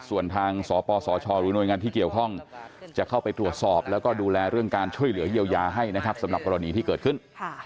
ส่วนทางสปสชหรือหน่วยงานที่เกี่ยวข้องจะเข้าไปตรวจสอบแล้วก็ดูแลเรื่องการช่วยเหลือเยียวยาให้นะครับสำหรับกรณีที่เกิดขึ้น